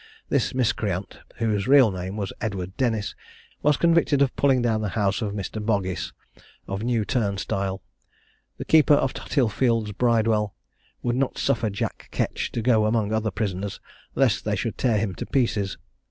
This miscreant, whose real name was Edward Dennis, was convicted of pulling down the house of Mr. Boggis, of New Turnstile. The keeper of Tothill fields' Bridewell would not suffer Jack Ketch to go among the other prisoners, lest they should tear him to pieces.